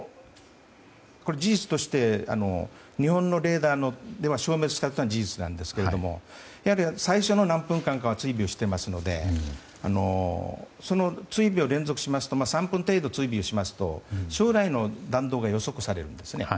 事実として日本のレーダーでは消滅したというのが事実なんですが最初の何分間は追尾していますので３分程度追尾しますと将来の弾道が予測されるんですね。